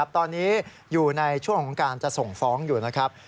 ตอนนี้อยู่ในช่วงของการจะส่งฟ้องอยู่นะครับ